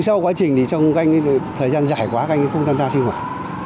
sau quá trình thì trong thời gian dài quá anh không tham gia sinh hoạt